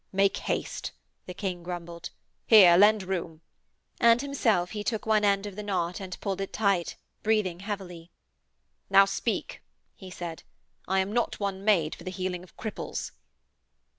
'Make haste!' the King grumbled. 'Here! Lend room.' And himself he took one end of the knot and pulled it tight, breathing heavily. 'Now speak,' he said. 'I am not one made for the healing of cripples.'